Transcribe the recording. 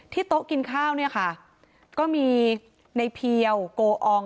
โต๊ะกินข้าวเนี่ยค่ะก็มีในเพียวโกออง